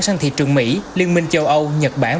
sang thị trường mỹ liên minh châu âu nhật bản